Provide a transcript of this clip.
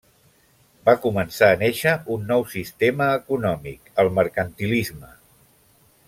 Va començar a néixer un nou sistema econòmic, el mercantilisme.